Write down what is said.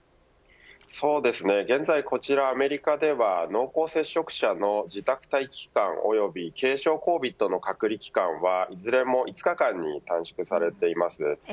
そうですね現在こちらアメリカでは濃厚接触者の自宅待機期間、及び軽症ＣＯＶＩＤの隔離期間はいずれも５日間に短縮されています。